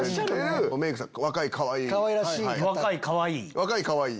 若いかわいい。